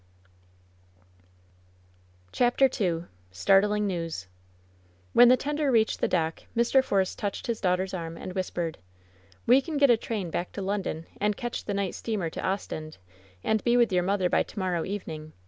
WHEN SHADOWS DIE 9 CHAPTER n STAETLINO NEWS When the tender reached the dock Mr. Force touched his daughter's arm, and whispered: "We can get a train back to London, and catch the night steamer to Ostend, and be with your mother by to morrow evening.